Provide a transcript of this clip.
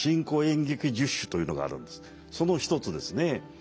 その一つですね。